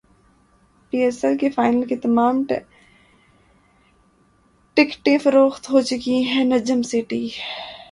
پی S L کے final کی تمام ٹکٹیں فروخت ہوچکی ہیں نجم سیٹھی